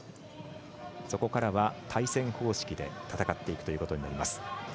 そこからは、対戦方式で戦っていくことになります。